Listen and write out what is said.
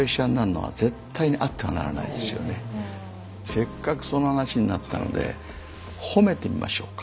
せっかくその話になったので褒めてみましょうか。